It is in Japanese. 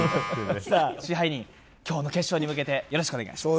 さあ、支配人、きょうの決勝に向けて、よろしくお願いします。